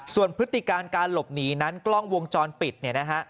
ส่วนพฤติการการหลบหนีนั้นกล้องวงจรปิดเนี่ยนะฮะ